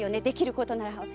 できることなら。